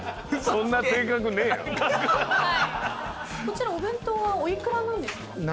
こちらお弁当はお幾らなんですか？